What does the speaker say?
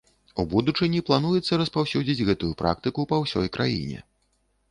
У будучыні плануецца распаўсюдзіць гэтую практыку па ўсёй краіне.